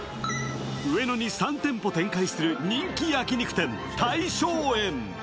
上野に３店舗展開する人気焼肉店・太昌園。